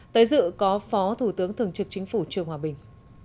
tới dự có phó thủ tướng thường trực chính phủ trương hòa bình